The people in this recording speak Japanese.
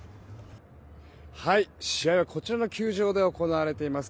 試合はこちらの球場で行われています。